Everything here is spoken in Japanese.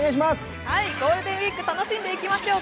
ゴールデンウイーク楽しんでいきましょう。